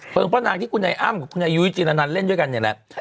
เพิงพระนางที่กุญแยอ้ำกับกุญแยยุยิจิลนันเล่นด้วยกันอย่างนี้แหละ